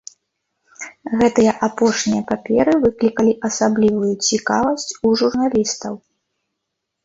Гэтыя апошнія паперы выклікалі асаблівую цікавасць у журналістаў.